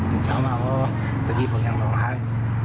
ถึงเช้ามาก็ตอนนี้ผมยังร้องไห้